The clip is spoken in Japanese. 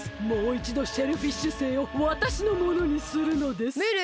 もういちどシェルフィッシュ星をわたしのものにするのです。